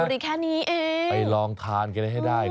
ไปลองทานกันได้ให้ได้